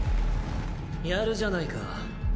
やるじゃないか。